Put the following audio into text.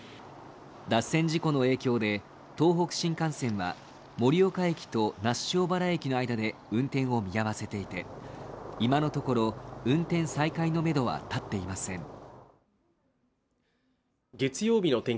脱線事故の影響で東北新幹線は盛岡駅と那須塩原駅の間で運転を見合わせていて今のところ、運転再開のめどはたっていません。